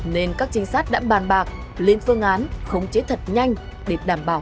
nên các trinh sát đã bàn bạc lên phương án không chế thật nhanh để đảm bảo an toàn